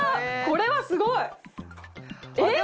これはすごい！えっ！？